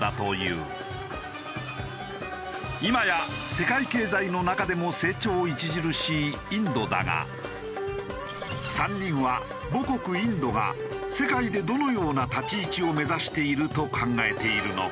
今や世界経済の中でも成長著しいインドだが３人は母国インドが世界でどのような立ち位置を目指していると考えているのか？